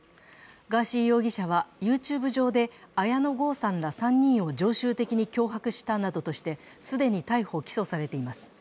ガーシー容疑者はＹｏｕＴｕｂｅ上で綾野剛さんら３人を常習的に脅迫したなどとして既に逮捕・起訴されています。